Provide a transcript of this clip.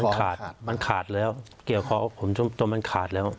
มันขาดมันขาดแล้วเกี่ยวคอผมจนมันขาดแล้ว